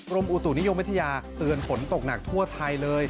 โรมอูตุนิยมเมธยาเตือนผลตกหนักทั่วไทยเลย